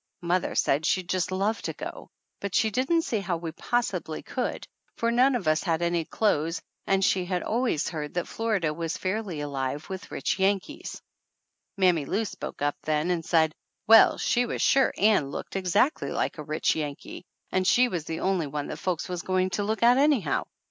Mother said she'd just love to go, but she didn't see how we possibly could, for none of us had any clothes and she had always heard that Florida was fairly alive with rich Yankees! 258 THE ANNALS OF ANN Mammy Lou spoke up then and said, well, she was sure Ann looked exactly like a rich Yankee, and she was the only one that folks was going to look at anyhow!